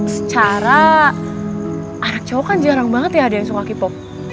secara acau kan jarang banget ya ada yang suka k pop